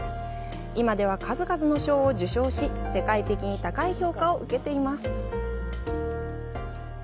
今では数々の賞を受賞し世界的に高い評価を受けています。